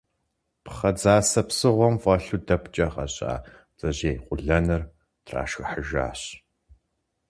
Пхъэ дзасэ псыгъуэм фӀэлъу дэпкӀэ гъэжьа бдзэжьей къуэлэныр трашхыхьыжащ.